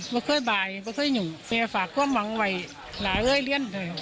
ก็เข้าใบกื่นกุ่งแม่ฝากความหวังไว้รอง้ำเราเรียนที่นี่